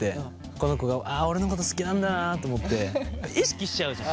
この子俺のこと好きなんだなと思って意識しちゃうじゃん？